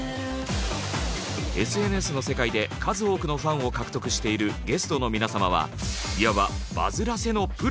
ＳＮＳの世界で数多くのファンを獲得しているゲストの皆様はいわばバズらせのプロ。